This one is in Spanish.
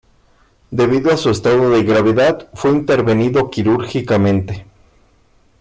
Debido a su estado de gravedad fue intervenido quirúrgicamente.